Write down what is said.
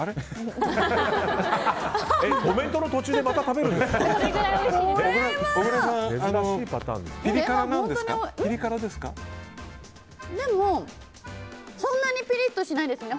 コメントの途中でまた食べるんですか。